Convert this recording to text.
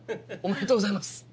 おめでとうございます。